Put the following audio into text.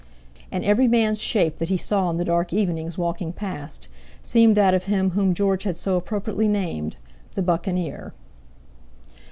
And every man's shape that he saw in the dark evenings walking past, seemed that of him whom George had so appropriately named the Buccaneer.